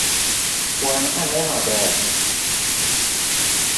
Kwan ane maber